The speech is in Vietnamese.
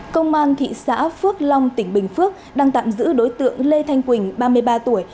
công an thị xã phước long tỉnh bình phước đang tạm giữ đối tượng lê thanh quỳnh ba mươi ba tuổi